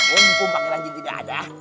mumpung panggilan jin tidak ada